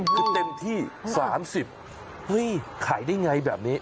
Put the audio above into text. คือเต็มที่๓๐บาทเฮ่ยขายได้อย่างไรแบบนี้